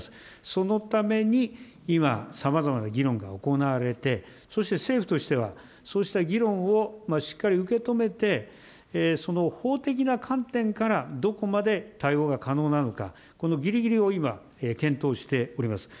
そのために今、さまざまな議論が行われて、そして政府としてはそうした議論をしっかり受け止めて、その法的な観点からどこまで対応が可能なのか、このぎりぎりを今、検討しております。